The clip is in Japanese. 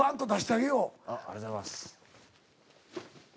ありがとうございます。